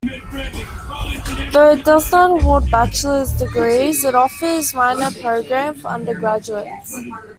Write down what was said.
Though it does not award bachelor's degrees, it offers a minor program for undergraduates.